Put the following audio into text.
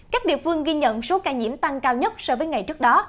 các địa phương ghi nhận số ca nhiễm tăng cao nhất so với ngày trước đó